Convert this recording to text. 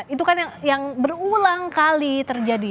itu kan yang berulang kali terjadi